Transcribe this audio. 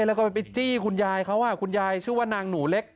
แล้วก็ไปจี้คุณยายเขาคุณยายชื่อว่านางหนูเล็ก